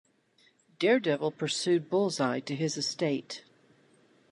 Daredevil pursued Bullseye to his estate.